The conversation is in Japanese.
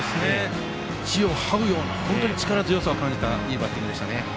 地を這うような力強さを感じたいいバッティングでしたね。